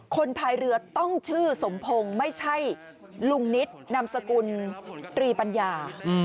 ภายเรือต้องชื่อสมพงศ์ไม่ใช่ลุงนิดนามสกุลตรีปัญญา